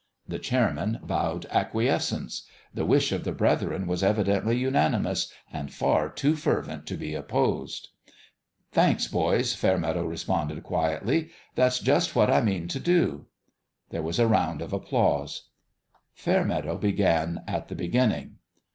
The chairman bowed acquiescence : the wish 340 IN HIS OWN BEHALF of the brethren was evidently unanimous and far too fervent to be opposed. " Thanks, boys," Fairmeadow responded, qui etly. "That's just what I mean to do." There was a round of applause. Fairmeadow began at the beginning.